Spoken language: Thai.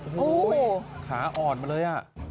โอ้โฮขาอ่อนมาเลย